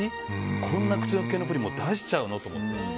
こんな口溶けのプリンを出しちゃうの？って思って。